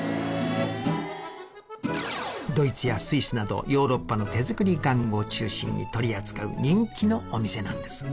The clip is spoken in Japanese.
ドイツやスイスなどヨーロッパの手作り玩具を中心に取り扱う人気のお店なんです。